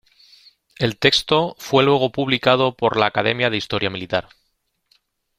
El texto fue luego publicado por la Academia de Historia Militar.